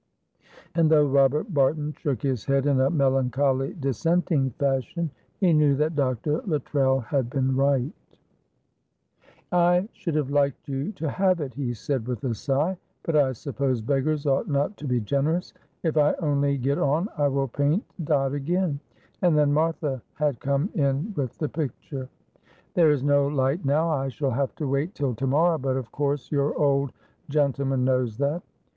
And though Robert Barton shook his head in a melancholy dissenting fashion, he knew that Dr. Luttrell had been right. [Illustration: "It is beautiful it is perfectly charming."] "I should have liked you to have it," he said, with a sigh, "but I suppose beggars ought not to be generous. If I only get on, I will paint Dot again;" and then Martha had come in with the picture. "There is no light now. I shall have to wait till to morrow, but of course your old gentleman knows that."